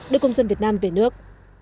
đưa công dân việt nam về nước